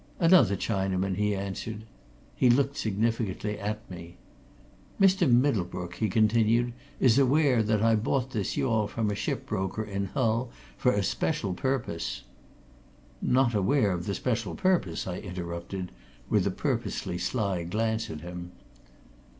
"Another Chinaman," he answered. He looked significantly at me. "Mr. Middlebrook," he continued, "is aware that I bought this yawl from a ship broker in Hull, for a special purpose " "Not aware of the special purpose," I interrupted, with a purposely sly glance at him.